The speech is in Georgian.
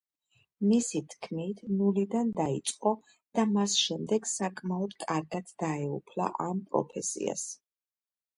მისი თქმით, ნულიდან დაიწყო და მას შემდეგ საკმაოდ კარგად დაეუფლა ამ პროფესიას.